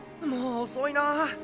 もう遅いな。